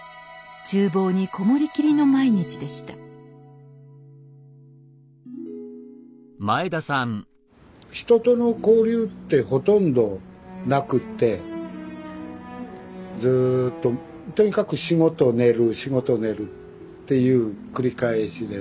厨房に籠もりきりの毎日でした人との交流ってほとんどなくってずっととにかく仕事寝る仕事寝るっていう繰り返しで。